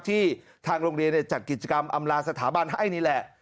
ที่ทางโรงเรียนจัดกิจกรรมอำลาสถาบันให้นี่แหละ